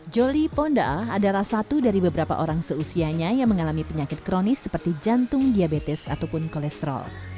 jolie ponda adalah satu dari beberapa orang seusianya yang mengalami penyakit kronis seperti jantung diabetes ataupun kolesterol